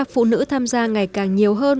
phụ nữ tham gia ngày càng nhiều hơn